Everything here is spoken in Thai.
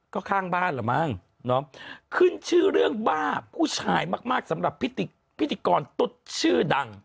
ก็ข้างบ้านละมั้งขึ้นชื่อเรื่องบ้าผู้ชายมากสำหรับพิธีกรตุ๊ดชื่อดัง